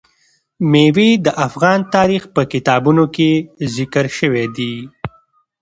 مېوې د افغان تاریخ په کتابونو کې ذکر شوی دي.